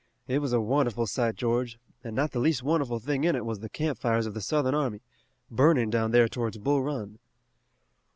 It was a wonderful sight, George, and not the least wonderful thing in it was the campfires of the Southern army, burning down there towards Bull Run."